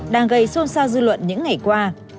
đang gây xôn xao dư luận những ngày qua